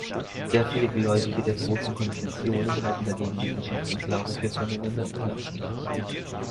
Sehr viele Gläubige der großen Konfessionen halten dagegen Wissenschaft und Glaube für voneinander unabhängig.